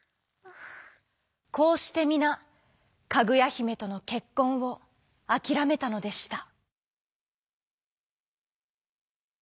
こうしてみなかぐやひめとのけっこんをあきらめたのでした。